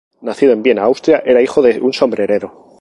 Nacido en Viena, Austria, era hijo de un sombrerero.